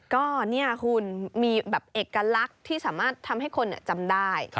ก็เนี่ยคุณมีแบบเอกลักษณ์ที่สามารถทำให้คนจำได้